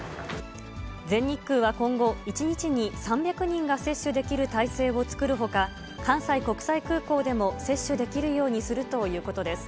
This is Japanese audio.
全日空は今後、１日に３００人が接種できる態勢を作るほか、関西国際空港でも接種できるようにするということです。